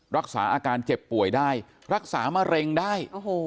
รักษาอาการเจ็บป่วยได้รักษามะเร็งได้